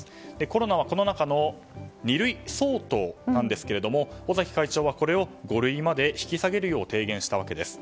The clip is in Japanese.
コロナはこの中の二類相当なんですが尾崎会長は、これを五類まで引き下げるよう提言したわけです。